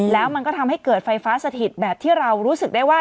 แล้วมันก็ทำให้เกิดไฟฟ้าสถิตแบบที่เรารู้สึกได้ว่า